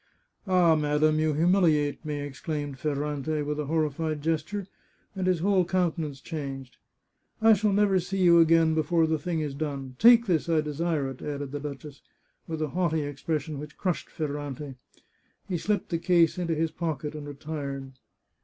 " Ah, madam, you humiliate me," exclaimed Ferrante, with a horrified gesture, and his whole countenance changed. " I shall never see you again before the thing is done. Take this, I desire it," added the duchess, with a haughty expression which crushed Ferrante. He slipped the case into his pocket and retired.